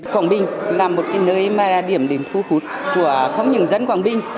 quảng bình là một nơi mà điểm đến thu hút của không những dân quảng bình